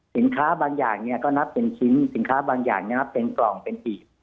สินค้าบางอย่างก็นับเป็นชิ้นสินค้าบางอย่างเป็นกล่องเป็นหีบ